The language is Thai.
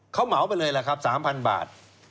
เหมาไปเลยล่ะ๓๐๐๐บาท